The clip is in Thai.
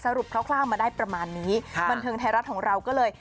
คร่าวมาได้ประมาณนี้บันเทิงไทยรัฐของเราก็เลย